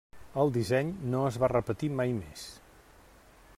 El disseny no es va repetir mai més.